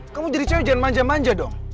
kamu jadi cewek jangan manja manja dong